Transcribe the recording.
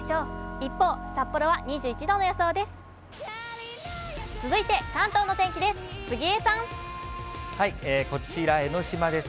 一方、札幌は２１度の予想です。